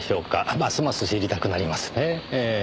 ますます知りたくなりますねええ。